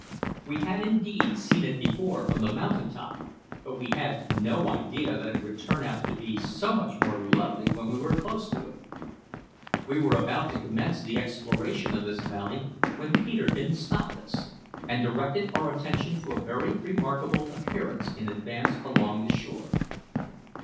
We had indeed seen it before from the mountain top, but we had no idea that it would turn out to be so much more lovely when we were close to it. We were about to commence the exploration of this valley when Peterkin stopped us, and directed our attention to a very remarkable appearance in advance along the shore.